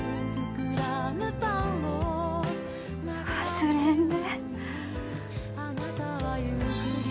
忘れんで。